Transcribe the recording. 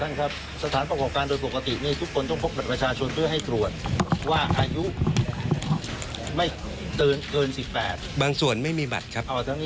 ครับสถานประกอบการโดยปกตินี่ทุกคนต้องพกบัตรประชาชนเพื่อให้ตรวจว่าอายุไม่เกิน๑๘บางส่วนไม่มีบัตรครับ